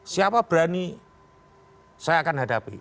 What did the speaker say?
siapa berani saya akan hadapi